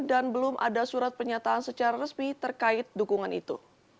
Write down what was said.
dan belum ada surat penyataan secara resmi terkait dukungan itu